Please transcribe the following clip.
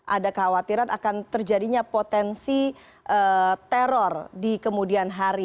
ada kekhawatiran akan terjadinya potensi teror di kemudian hari